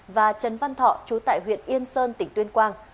và trần văn thọ chú tại huyện yên sơn tỉnh tuyên quang